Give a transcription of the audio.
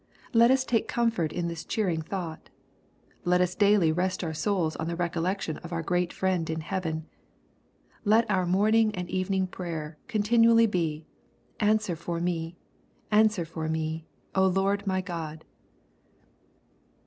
Let us take comfort in this cheering thought. Let us daily rest our souls on the recollection of our great Friend in heaven. Let our morning and evening prayer continually be, " Answer for me, answer for me, Lord my God.'